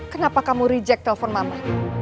kenapa kamu reject telpon mama